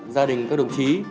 gia đình các đồng chí